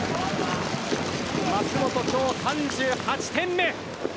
舛本、今日３８点目。